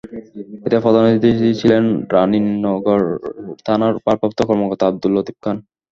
এতে প্রধান অতিথি ছিলেন রানীনগর থানার ভারপ্রাপ্ত কর্মকর্তা আবদুল লতিফ খান।